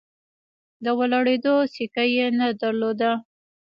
د ولاړېدو سېکه یې نه درلوده.